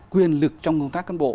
quyền lực trong công tác căn bộ